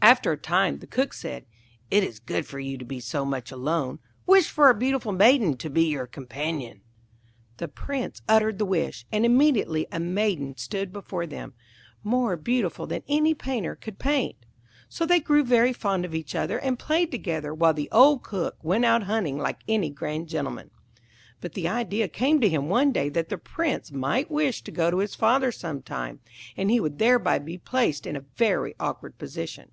After a time the Cook said, 'It is not good for you to be so much alone; wish for a beautiful Maiden to be your companion.' The Prince uttered the wish, and immediately a Maiden stood before them, more beautiful than any painter could paint. So they grew very fond of each other, and played together, while the old Cook went out hunting like any grand gentleman. But the idea came to him one day that the Prince might wish to go to his father some time, and he would thereby be placed in a very awkward position.